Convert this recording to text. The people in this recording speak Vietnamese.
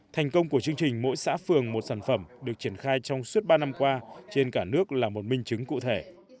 thành công của chương trình mỗi xã phường một sản phẩm được triển khai trong suốt ba năm qua trên cả nước là một minh chứng cụ thể